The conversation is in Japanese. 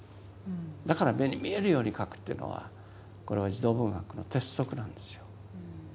だから目に見えるように書くっていうのはこれは児童文学の鉄則なんですよ。